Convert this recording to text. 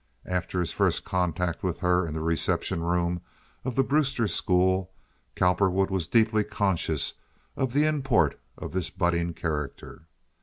After his first contact with her in the reception room of the Brewster School Cowperwood was deeply conscious of the import of this budding character.